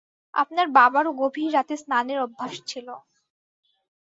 আপনার বাবারও গভীর রাতে স্নানের অভ্যাস ছিল।